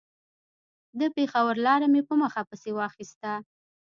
د پېښور لاره مې په مخه پسې واخيسته.